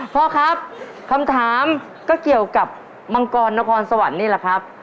พ่อครับคำถามก็เกี่ยวกับมังกรนครสวรรค์นี่แหละครับ